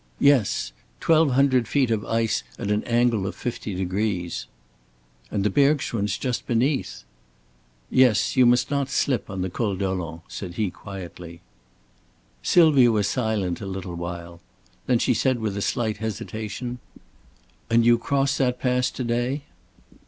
"Yes. Twelve hundred feet of ice at an angle of fifty degrees." "And the bergschrund's just beneath." "Yes, you must not slip on the Col Dolent," said he, quietly. Sylvia was silent a little while. Then she said with a slight hesitation: "And you cross that pass to day?"